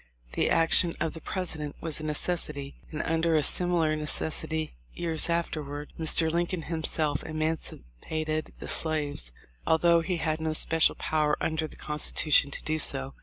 The action of the President was a necessity, and under a simi lar necessity years afterward Mr. Lincoln himself emancipated the slaves, although he had no special power under the Constitution to do so.